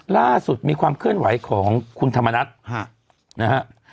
ล่าสุดมีความเคลื่อนไหวของคุณธรรมนัฐนะฮะ